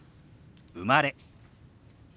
「生まれ」。